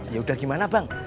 yaudah gimana bang